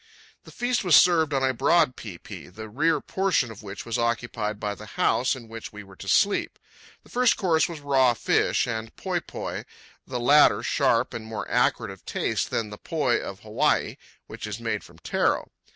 The feast was served on a broad pae pae, the rear portion of which was occupied by the house in which we were to sleep. The first course was raw fish and poi poi, the latter sharp and more acrid of taste than the poi of Hawaii, which is made from taro.